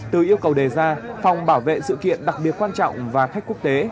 từ yêu cầu đề ra phòng bảo vệ sự kiện đặc biệt quan trọng và khách quốc tế